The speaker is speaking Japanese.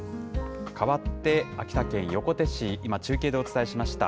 かわって秋田県横手市、今、中継でお伝えしました。